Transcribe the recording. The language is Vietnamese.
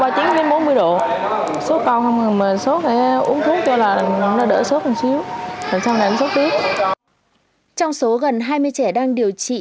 trong số gần hai mươi trẻ đang điều trị